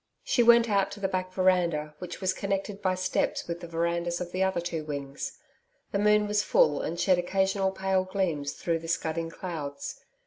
She went out to the back veranda, which was connected by steps with the verandas of the other two wings. The moon was full and shed occasional pale gleams through the scudding clouds.